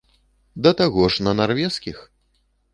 Да таго ж, на нарвежскіх!